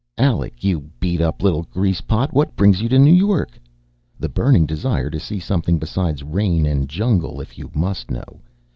"Alec, you beat up little grease pot, what brings you to New York?" "The burning desire to see something besides rain and jungle, if you must know.